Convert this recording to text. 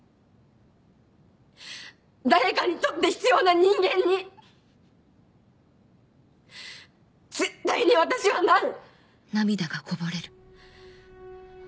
誰かにとって必要な人間に絶対に私はなる。